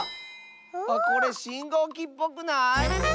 これしんごうきっぽくない？